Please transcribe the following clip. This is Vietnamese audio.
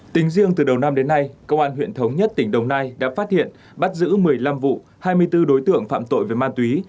tính riêng từ đầu năm đến nay công an huyện thống nhất tỉnh đồng nai đã phát hiện bắt giữ một mươi năm vụ hai mươi bốn đối tượng phạm tội về ma túy